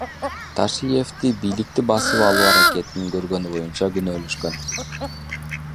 Ташиевди бийликти басып алуу аракетин көргөнү боюнча күнөөлөшкөн.